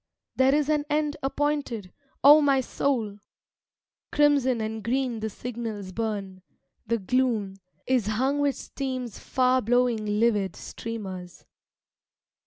There is an end appointed, O my soul! Crimson and green the signals burn; the gloom Is hung with steam's far blowing livid streamers.